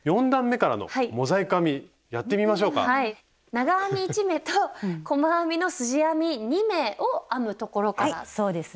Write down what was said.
長編み１目と細編みのすじ編み２目を編むところからですね。